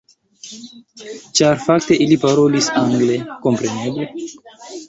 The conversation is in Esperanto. Ĉar fakte ili parolis angle, kompreneble.